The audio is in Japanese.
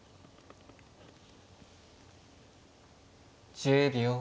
１０秒。